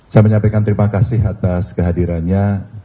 saya menyampaikan terima kasih atas kehadirannya